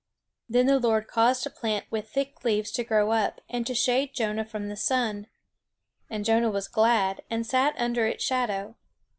Then the Lord caused a plant with thick leaves to grow up, and to shade Jonah from the sun; and Jonah was glad, and sat under its shadow.